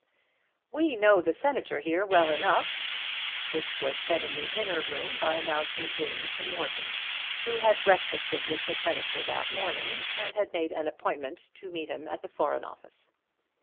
"We know the Senator here well enough." This was said in the inner room by Mounser Green to Morton, who had breakfasted with the Senator that morning and had made an appointment to meet him at the Foreign Office.